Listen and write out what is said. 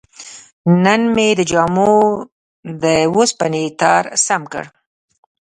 نن مې د جامو د وسپنې تار سم کړ.